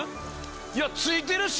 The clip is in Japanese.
いやついてるし。